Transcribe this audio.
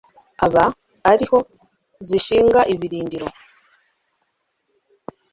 aba ari ho zishinga ibirindiro